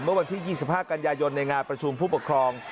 เมื่อวันที่๒๕กันยายนในงานประชุมผู้ปกครอง